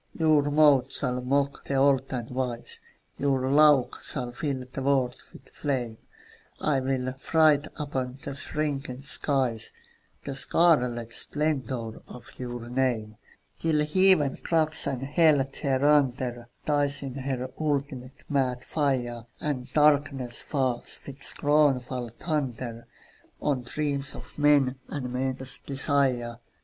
Your mouth shall mock the old and wise, Your laugh shall fill the world with flame, I'll write upon the shrinking skies The scarlet splendour of your name, Till Heaven cracks, and Hell thereunder Dies in her ultimate mad fire, And darkness falls, with scornful thunder, On dreams of men and men's desire.